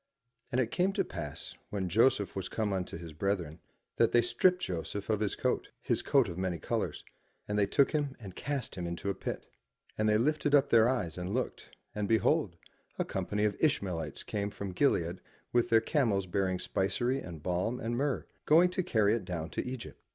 And it came to pass when Joseph was come unto his brethren, that they stript Joseph of his coat, his coat of many colours, and they took him and cast him into a pit. And they lifted up their eyes and looked, and, behold, a company of Ishmaelites came from Gilead with their camels bearing spicery and balm and myrrh, going to carry it down to Egypt.